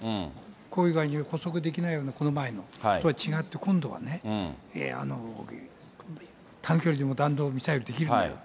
こういう場合に拘束できないような、この前のと違って、今度はね、あの、短距離でも弾道ミサイルできるんだよと。